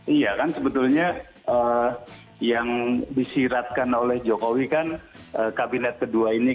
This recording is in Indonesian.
iya kan sebetulnya yang disiratkan oleh jokowi kan kabinet kedua ini